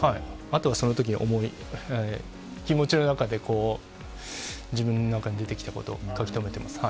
あとは、そのときに思い、気持ちの中で自分の中に出できたことを書きとめてます。